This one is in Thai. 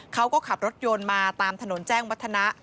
เขาก็ขับรถยนต์มาตามถนนแจ้งวัฒนะ